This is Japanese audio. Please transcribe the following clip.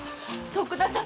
徳田様。